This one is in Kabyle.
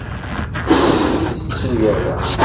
Ur ten-ittettu ara.